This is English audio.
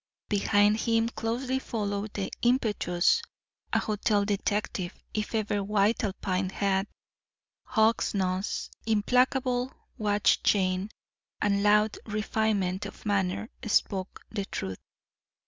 Behind him closely followed the impetus—a hotel detective, if ever white Alpine hat, hawk's nose, implacable watch chain, and loud refinement of manner spoke the truth.